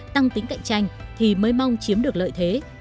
tăng tính cạnh tranh thì mới mong chiếm được lợi thế